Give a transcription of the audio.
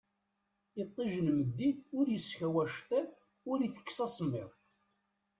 Itij n tmeddit ur iskaw acettiḍ ur itekkes asemmiḍ